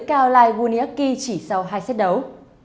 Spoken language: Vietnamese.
kaolai wuniaki chỉ sau hai xét đấu